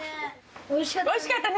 おいしかったね。